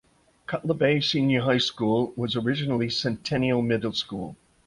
Cutler Bay Senior High School was originally Centennial Middle School.